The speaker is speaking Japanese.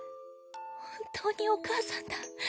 本当にお母さんだ。